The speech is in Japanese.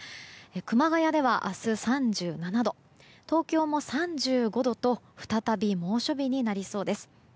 熊谷では明日３７度東京も３５度と再び猛暑日になりそうです。